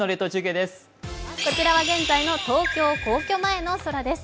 こちらは現在の東京皇居前の空です。